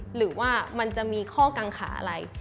หรือว่ามันจะมีข้อกังขาอะไร